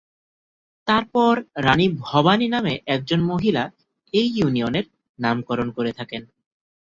তারপর রাণী ভবানী নামে একজন মহিলা এই ইউনিয়নের নামকরণ করে থাকেন।